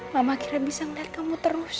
mama kira bisa melihat kamu terus